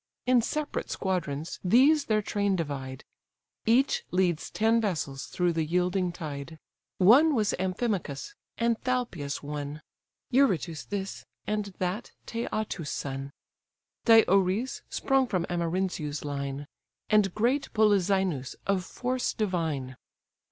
In separate squadrons these their train divide, Each leads ten vessels through the yielding tide. One was Amphimachus, and Thalpius one; (Eurytus' this, and that Teätus' son;) Diores sprung from Amarynceus' line; And great Polyxenus, of force divine.